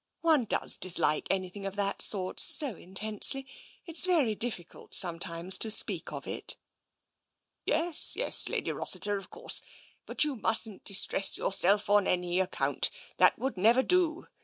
One does dislike anything of that sort so intensely, it's very difficult sometimes to speak of it." " Yes, yes, Lady Rossiter — of course. But you mustn't distress yourself, on any account. That would never do.